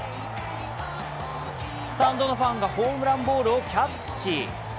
スタンドのファンがホームランボールをキャッチ。